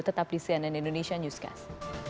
tetap di cnn indonesia newscast